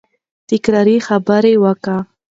تکراري خبري کوي.